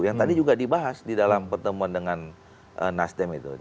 yang tadi juga dibahas di dalam pertemuan dengan nasdem itu